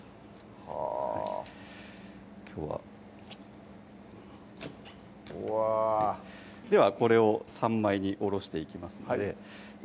はぁきょうはうわではこれを３枚におろしていきますのではい